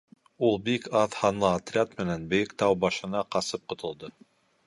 — Ул бик аҙ һанлы отряд менән бейек тау башына ҡасып ҡотолдо.